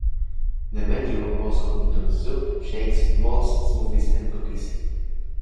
The menu also includes soup, shakes, malts, smoothies, and cookies.